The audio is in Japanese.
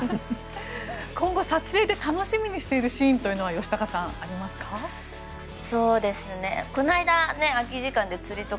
今後、撮影で楽しみにしているシーンというのは吉高さんありますか。